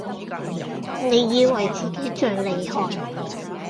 你以為自己最厲害